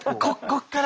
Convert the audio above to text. こっから！